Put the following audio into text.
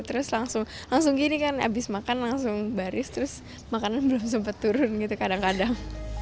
terus langsung gini kan abis makan langsung baris terus makanan belum sempat turun gitu kadang kadang